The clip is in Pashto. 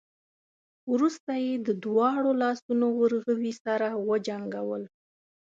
وروسته يې د دواړو لاسونو ورغوي سره وجنګول.